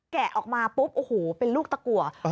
แกะออกมาปุ๊บโอ้โหเป็นลูกตะกัว